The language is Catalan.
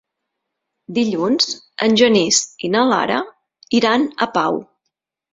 Dilluns en Genís i na Lara iran a Pau.